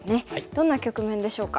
どんな局面でしょうか。